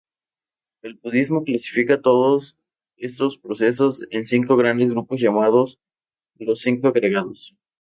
El budismo clasifica todos estos procesos en cinco grandes grupos llamados "Los Cinco agregados".